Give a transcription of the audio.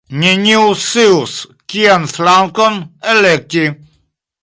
Neniu scius kian flankon elekti.